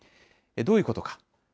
どういうことか。